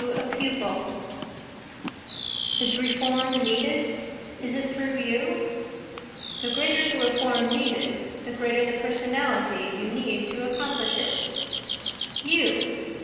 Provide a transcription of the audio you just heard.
To a Pupil Is reform needed? is it through you? The greater the reform needed, the greater the Personality you need to accomplish it. You!